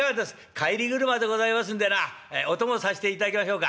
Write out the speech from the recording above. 帰り俥でございますんでなお供させていただきましょうか」。